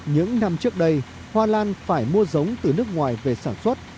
những năm trước đây hoa lan phải mua giống từ nước ngoài về sản xuất